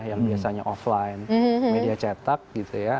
yang biasanya offline media cetak gitu ya